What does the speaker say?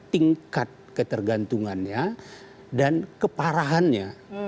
tingkat ketergantungannya dan keparahannya